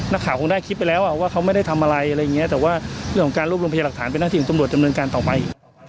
นักข่าวคงได้คลิปไปแล้วอ่ะว่าเขาไม่ได้ทำอะไรอะไรอย่างเงี้ยแต่ว่าเรื่องของการรวมพยาหลักฐานเป็นนักศิลป์จำลวดจำเนินการต่อไป